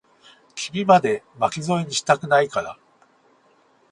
君まで、巻き添えにしたくないから。